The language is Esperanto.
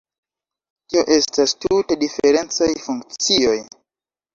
Tio estas tute diferencaj funkcioj.